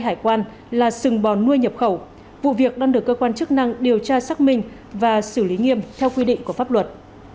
hải quan là sừng bò nuôi nhập khẩu vụ việc đang được cơ quan chức năng điều tra xác minh và xử lý nghiêm theo quy định của pháp luật